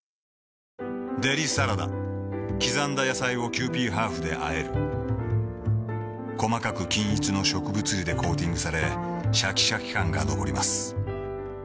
デリサラダ刻んだ野菜をキユーピーハーフであえる細かく均一の植物油でコーティングされシャキシャキ感が残ります